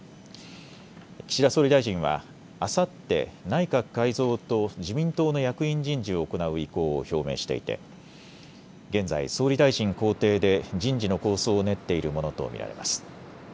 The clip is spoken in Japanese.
岸田総理大臣はあさって内閣改造と自民党の役員人事を行う意向を表明していて現在、総理大臣公邸で人事の構想を練っているものと見られます。